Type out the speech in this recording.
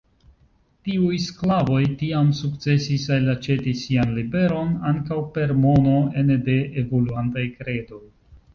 Tiuj sklavoj, tiam sukcesis elaĉeti sian liberon, ankaŭ per mono, ene de evoluantaj kredoj!